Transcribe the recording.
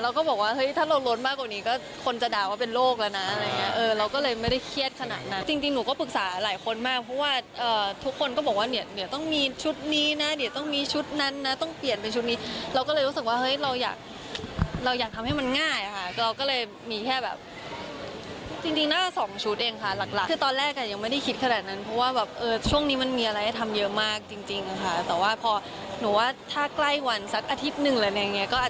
เราก็บอกว่าเฮ้ยถ้าเราลดมากกว่านี้ก็คนจะด่าว่าเป็นโรคละนะอะไรอย่างเงี้ยเราก็เลยไม่ได้เครียดขนาดนั้นจริงหนูก็ปรึกษาหลายคนมากเพราะว่าทุกคนก็บอกว่าเนี่ยต้องมีชุดนี้นะเนี่ยต้องมีชุดนั้นนะต้องเปลี่ยนเป็นชุดนี้เราก็เลยรู้สึกว่าเฮ้ยเราอยากทำให้มันง่ายค่ะเราก็เลยมีแค่แบบจริงน่าจะสองชุดเองค่ะ